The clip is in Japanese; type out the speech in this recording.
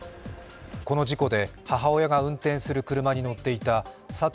この事故で母親が運転する車に乗っていた佐藤